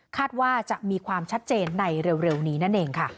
ว่าจะมีความชัดเจนในเร็วนี้นั่นเองค่ะ